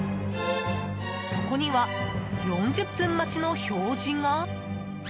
そこには４０分待ちの表示が。